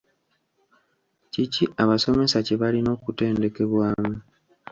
Ki ki abasomesa kye balina okutendekebwamu?